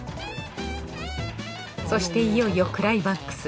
そしていよいよクライマックス。